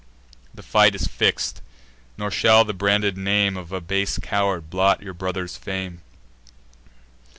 The fight is fix'd; nor shall the branded name Of a base coward blot your brother's fame.